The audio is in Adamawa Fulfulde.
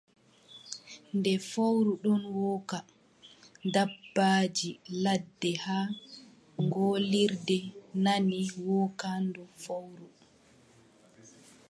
Nde fowru ɗon wooka, dabbaaji ladde haa ngoolirde nani wookaandu fowru.